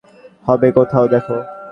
হবে কোথাও, দেখো।